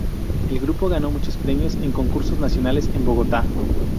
El grupo ganó muchos premios en concursos nacionales en Bogotá.